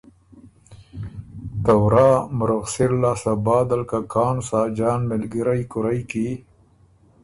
ته ورا مرُغسِر لاسته بعدل که کان ساجان مِلګِرئ کُورئ کی